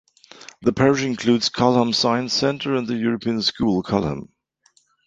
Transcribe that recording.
The parish includes Culham Science Centre and the European School, Culham.